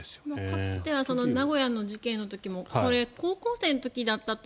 かつては名古屋の事件の時も高校生の時だったと。